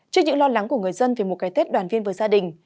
trước những lo lắng của người dân về một cái tết đoàn viên với gia đình